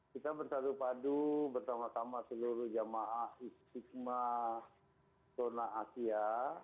kita bersatu padu bersama sama seluruh jamaah istigma zona asia